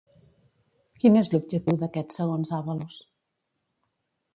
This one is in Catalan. Quin és l'objectiu d'aquest segons Ábalos?